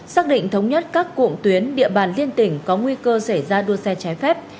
xác định thống nhất các cụm tuyến địa bàn liên tỉnh có nguy cơ xảy ra đua xe trái phép